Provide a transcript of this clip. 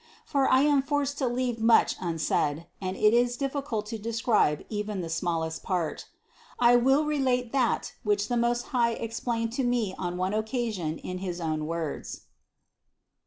For I am forced to leave much unsaid, and it is difficult to describe even the smallest part. I will relate that, which the Most High explained to me on one occasion in his own words: 464.